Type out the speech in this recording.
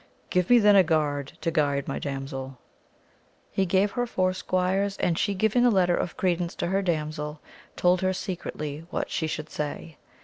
— Give me then a guard to guide my damsel He gave her four squires, and she giving a letter of credence to her damsel, told her secretly what she should say.